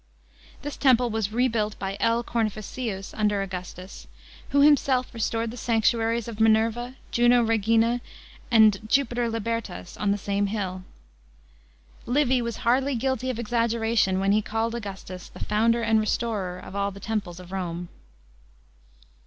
This temple was rebuilt by L. Cornificius under Augustus, who himself restored the sanctuaries of Minerva, Juno Regina, and Jupiter Libertas on the same hill. Livy was hardly guilty of exaggeration when he called Augustus "the founder and restorer of all the temples" of Rome.